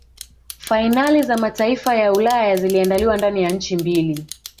fainali za mataifa ya Ulaya ziliandaliwa ndani ya nchi mbili